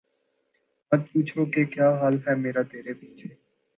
مت پوچھ کہ کیا حال ہے میرا ترے پیچھے